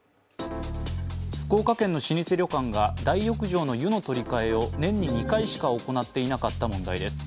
福岡県の老舗旅館が大浴場の湯の取り替えを年に２回しか行っていなかった問題です。